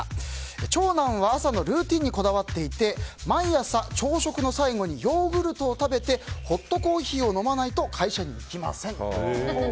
長男は朝のルーティンにこだわっていて毎朝、朝食の最後にヨーグルトを食べてホットコーヒーを飲まないと会社に行きません。